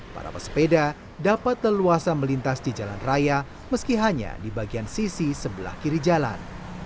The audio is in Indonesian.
para pesepeda dapat leluasa melintas di jalan raya meski hanya di bagian sisi sebelah kiri jalan